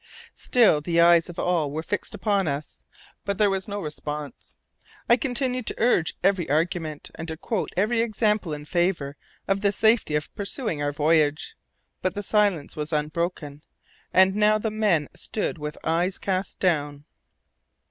Still, the eyes of all were fixed upon us, but there was no response. I continued to urge every argument, and to quote every example in favour of the safety of pursuing our voyage, but the silence was unbroken, and now the men stood with eyes cast down.